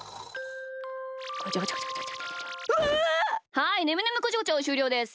はいねむねむこちょこちょしゅうりょうです。